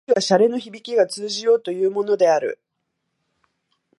少しは洒落のひびきが通じようというものである